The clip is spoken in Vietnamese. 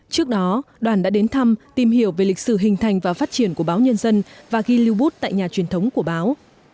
trước đó đoàn đã đến thăm tìm hiểu về lịch sử hình thành và phát triển của báo nhân dân và ghi lưu bút tại nhà truyền thống của báo